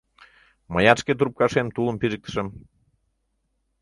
Мыят шке трупкашем тулым пижыктышым.